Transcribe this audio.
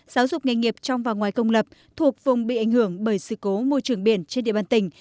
giáo dục nghề nghiệp trong và ngoài công lập thuộc vùng bị ảnh hưởng bởi sự cố môi trường biển trên địa bàn tỉnh